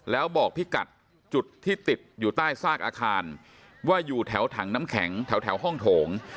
แล้วบอกพี่กัดจุดที่ติดอยู่ใต้ซากอาคารว่าอยู่แถวถังน้ำแข็งแถวห้องโถง